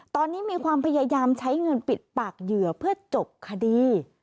ตอนนี้มีความพยายามใช้เงินปิดปากเหยื่อเพื่อจบคดี